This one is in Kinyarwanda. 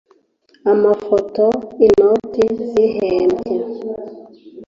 amafoto, inoti zihebye